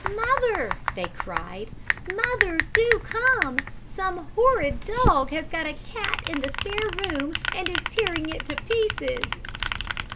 'Mother!' they cried, 'Mother! Do come! Some horrid dog has got a cat in the spare room and is tearing it to pieces.'